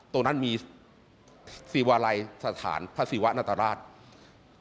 ตรงนั้นมีศิวาลัยสถานพระศิวะนาตราช